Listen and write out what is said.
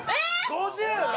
５０！